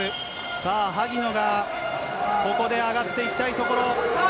さあ、萩野がここで上がっていきたいところ。